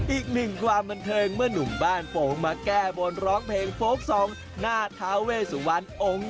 อีกหนึ่งความบันเทิงเมื่อนุ่มบ้านโป่งมาแก้บนร้องเพลงโฟลกทรงหน้าท้าเวสุวรรณองค์